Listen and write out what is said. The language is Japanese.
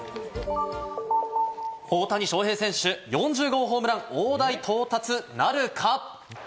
大谷翔平選手、４０号ホームラン、大台到達なるか。